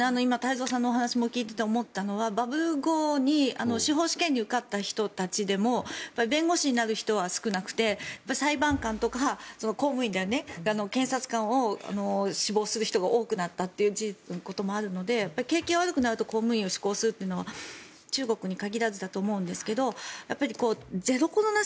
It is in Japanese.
今、太蔵さんの話を聞いていて思ったのはバブル後に司法試験に受かった人たちでも弁護士になる人は少なくて裁判官とか公務員、検察官を志望する人が多くなったこともあるので景気が悪くなると公務員を志向するというのは中国に限らずだと思うんですがゼロコロナ